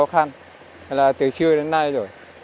khó khăn là từ trưa đến nay rồi